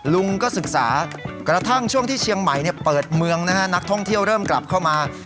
ลุงก็ศึกษากระทั่งช่วงที่เชียงใหม่เปิดเมืองนะฮะนักท่องเที่ยวเริ่มกลับเข้ามา